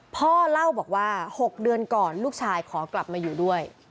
พ่อเล่าบอกว่า๖เดือนก่อนลูกชายขอกลับมาอยู่ด้วย